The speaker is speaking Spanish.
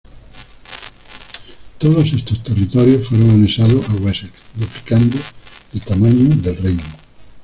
Todos estos territorios fueron anexados a Wessex, duplicando el tamaño del reino.